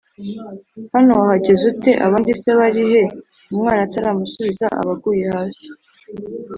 Hano wahageze ute Abandi se bari he Umwana ataramusubiza aba aguye hasi